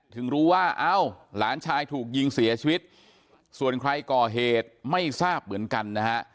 ถึงรู้ว่าเอ้าหลานชายถูกยิงเสียชีวิตส่วนใครก่อเหตุไม่ทราบเหมือนกันนะฮะ